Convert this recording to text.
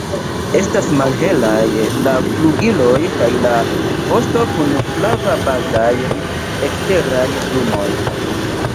Estas malhelaj la flugiloj kaj la vosto kun flava bazaj eksteraj plumoj.